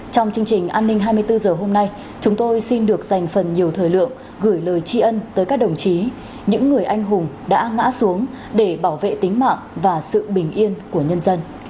trong chương trình an ninh hai mươi bốn h hôm nay chúng tôi xin được dành phần nhiều thời lượng gửi lời tri ân tới các đồng chí những người anh hùng đã ngã xuống để bảo vệ tính mạng và sự bình yên của nhân dân